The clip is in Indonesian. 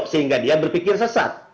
sehingga dia berpikir sesat